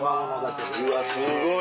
うわすごい！